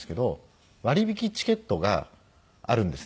割引チケットがあるんですね。